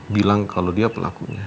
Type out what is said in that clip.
bilang kalau dia pelakunya